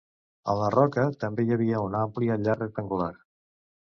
En la roca també hi havia una àmplia llar rectangular.